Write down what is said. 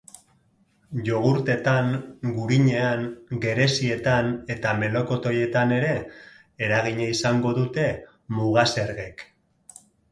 Jogurtetan, gurinean, gerezietan eta melokotoietan ere eragina izango dute muga-zergek.